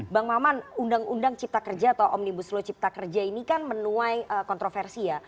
bang maman undang undang cipta kerja atau omnibus law cipta kerja ini kan menuai kontroversi ya